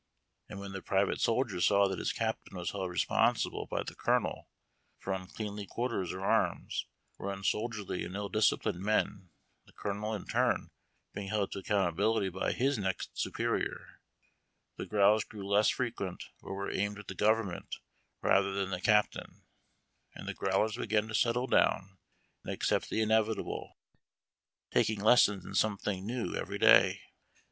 And when the private soldier saw that his captain was held responsible by the colonel for uncleanly quarters or arms, or nnsoldierly and ill disciplined men, the colonel in turn being lield to accountability by his next superior, the growls grew less frequent or were aimed at the government rather than the captain, and the growlers began to settle down and accept the inevitable, taking lessons in something new every day.